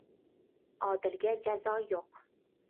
• Odilga jazo yo‘q.